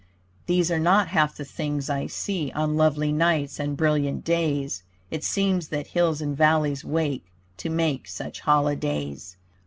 These are not half the things I see On lovely nights and brilliant days, It seems that hills and valleys wake To make such holidays.